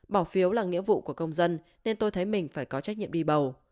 bỏ phiếu là nghĩa vụ của công dân nên tôi thấy mình phải có trách nhiệm đi bầu